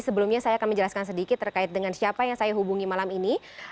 sebelumnya saya akan menjelaskan sedikit terkait dengan siapa yang saya hubungi malam ini